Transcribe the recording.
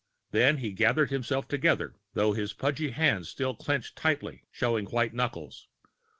Then he gathered himself together, though his pudgy hands still clenched tightly, showing white knuckles.